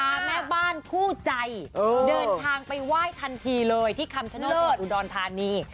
แม่บ้านคู่ใจเดินทางไปไหว้ทันทีเลยที่คำชโนธจังหวัดอุดรธานี